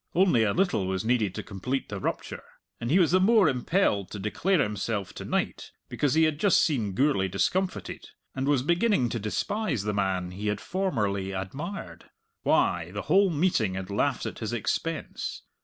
Only a little was needed to complete the rupture. And he was the more impelled to declare himself to night because he had just seen Gourlay discomfited, and was beginning to despise the man he had formerly admired. Why, the whole meeting had laughed at his expense!